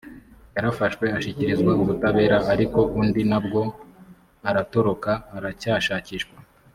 yarafashwe ashyikirizwa ubutabera ariko undi nabwo aratoroka aracyashakishwa